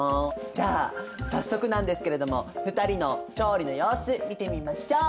じゃあ早速なんですけれども２人の調理の様子見てみましょう。